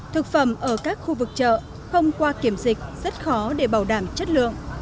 thực phẩm ở các khu vực chợ không qua kiểm dịch rất khó để bảo đảm chất lượng